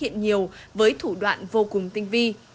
hiện nhiều với thủ đoạn vô cùng tinh vi